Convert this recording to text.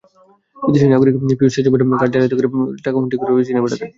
বিদেশি নাগরিক Piotr সিজোফেন card জালিয়াতি করে তোলা টাকা হুন্ডি করে চীনে পাঠাতেন।